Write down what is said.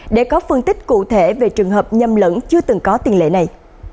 để có phân tích cụ thể về trường hợp nhầm lẫn chưa từng có tiền lệ này